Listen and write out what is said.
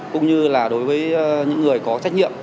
cũng như là đối với những người có trách nhiệm